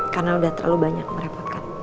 karena udah terlalu banyak merepotkan